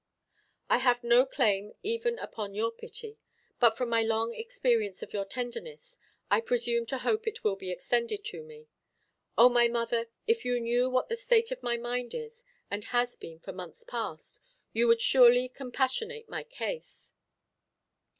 I have no claim even upon your pity; but from my long experience of your tenderness. I presume to hope it will be extended to me. O my mother, if you knew what the state of my mind is, and has been for months past, you would surely compassionate my case.